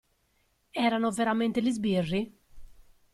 Erano veramente gli sbirri?